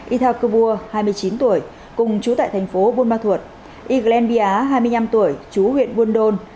y thao cơ bua hai mươi chín tuổi cùng chú tại thành phố buôn ma thuột y glen bia hai mươi năm tuổi chú huyện buôn đôn